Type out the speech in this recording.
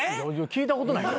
聞いたことない。